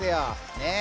ねえ。